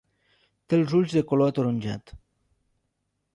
Té els ulls de color ataronjat.